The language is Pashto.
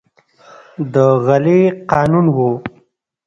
د غلې قانون و.